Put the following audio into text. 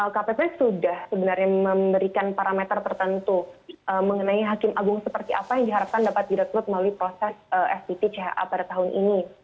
kpp sudah sebenarnya memberikan parameter tertentu mengenai hakim agung seperti apa yang diharapkan dapat direkrut melalui proses spt ca pada tahun ini